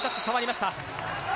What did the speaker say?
触りました。